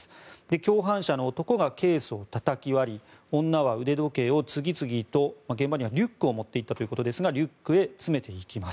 共犯者の男がケースをたたき割り女は腕時計を次々と、現場にはリュックを持っていったということですがリュックへ詰めていきます。